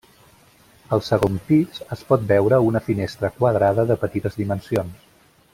Al segon pis es pot veure una finestra quadrada de petites dimensions.